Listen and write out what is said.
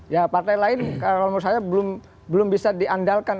ya partai lain kalau menurut saya belum bisa diandalkan